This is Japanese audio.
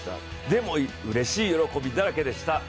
でもうれしい喜びだらけでした。